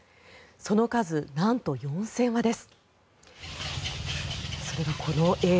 その数なんと４０００羽です。